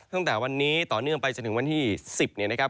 ตั้งแต่วันนี้ต่อเนื่องไปจนถึงวันที่๑๐เนี่ยนะครับ